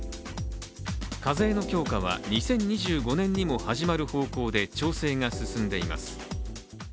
課税の強化は２０２５年にも始まる方向で調整が進んでいます。